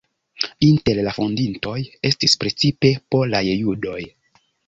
Inter la fondintoj estis precipe polaj judoj.